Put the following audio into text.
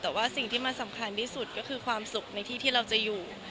แต่ว่าสิ่งที่มันสำคัญที่สุดก็คือความสุขในที่ที่เราจะอยู่